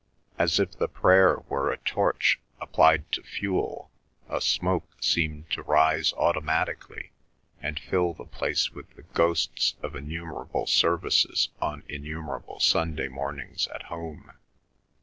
As if the prayer were a torch applied to fuel, a smoke seemed to rise automatically and fill the place with the ghosts of innumerable services on innumerable Sunday mornings at home.